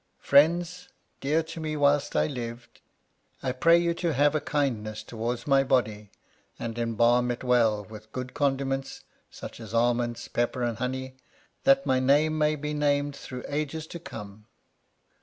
Friends dear to me whilst I lived, I pray you to have a kindness towards my body, and embalm it well with good condiments, such as almonds, pepper, and honey, that my name may be named through ages to come.